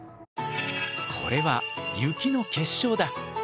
これは雪の結晶だ。